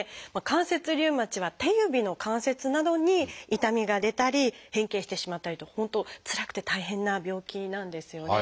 関節リウマチは手指の関節などに痛みが出たり変形してしまったりと本当つらくて大変な病気なんですよね。